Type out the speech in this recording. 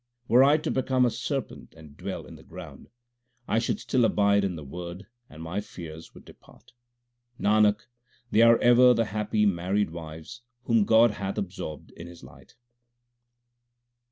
Were I to become a serpent and dwell in the ground, I should still abide in the Word and my fears would depart. Nanak, they are ever the happy married wives whom God hath absorbed in His light.